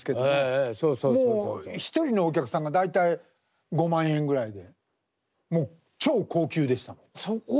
もう１人のお客さんが大体５万円ぐらいでもう超高級でしたもん。